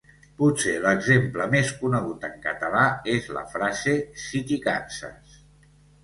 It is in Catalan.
Potser l'exemple més conegut en català és la frase «si t'hi canses».